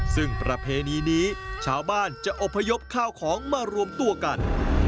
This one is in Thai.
ซึ่งประเพณีนี้ชาวบ้านจะอบพยพข้าวของมารวมตัวกัน